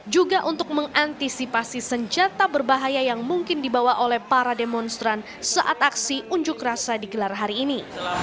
juga untuk mengantisipasi senjata berbahaya yang mungkin dibawa oleh para demonstran saat aksi unjuk rasa digelar hari ini